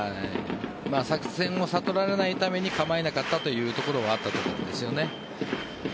作戦を悟られないために構えなかったというところはあったと思うんですよね。